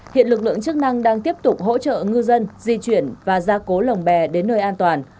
hiện lực lượng chức năng đang tiếp tục hỗ trợ ngư dân di chuyển và gia cố lồng bè đến nơi an toàn